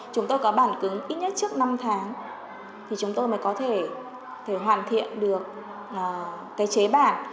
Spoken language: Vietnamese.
chúng tôi có bản cứng ít nhất trước năm tháng thì chúng tôi mới có thể hoàn thiện được cái chế bản